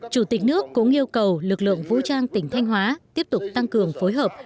chủ tịch nước cũng yêu cầu lực lượng vũ trang tỉnh thanh hóa tiếp tục tăng cường phối hợp